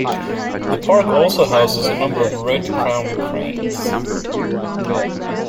The park also houses a number of red-crowned cranes.